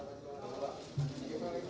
terima kasih pak